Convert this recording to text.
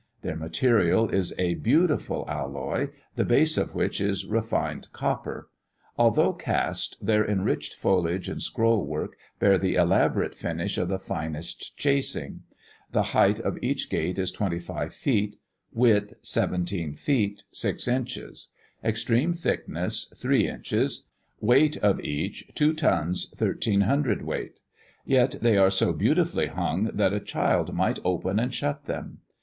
Their material is a beautiful alloy, the base of which is refined copper. Although cast, their enriched foliage and scroll work bear the elaborate finish of the finest chasing: the height of each gate is twenty five feet; width, seventeen feet, six inches; extreme thickness, three inches; weight of each, two tons, thirteen cwt.; yet, they are so beautifully hung, that a child might open and shut them.